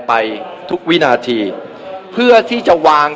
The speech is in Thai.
ไม่ว่าจะเป็นท่าน